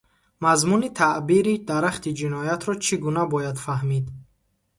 Мазмуни таъбири дарахти ҷиноятро чӣ гуна бояд фаҳмид?